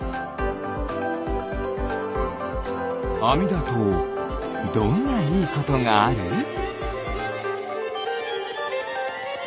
あみだとどんないいことがある？